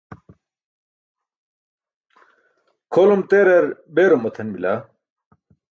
kʰolum terar beerum matʰan bila.